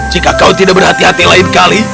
jika kau tidak berhati hati lain kali